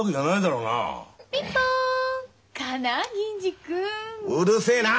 うるせえなあ！